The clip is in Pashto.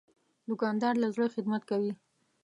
دوکاندار له زړه خدمت کوي.